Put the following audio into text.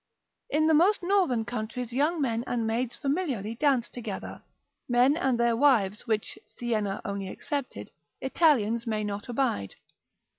In the most northern countries young men and maids familiarly dance together, men and their wives, which, Siena only excepted, Italians may not abide.